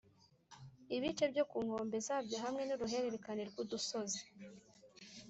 Ibice byo ku nkombe zabyo hamwe n’uruhererekane rw’udusozi